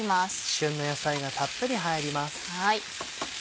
旬な野菜がたっぷり入ります。